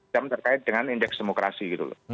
yang terkait dengan indeks demokrasi